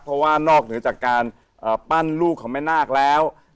เพราะว่านอกเหนือจากการปั้นลูกของแม่นาคแล้ว